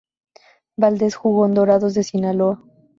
Valdez jugó en Dorados de Sinaloa.